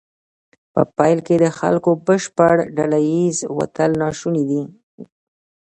په پیل کې د خلکو بشپړ ډله ایز وتل ناشونی دی.